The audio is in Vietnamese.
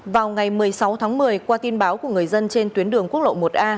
vào ngày một mươi sáu tháng một mươi qua tin báo của người dân trên tuyến đường quốc lộ một a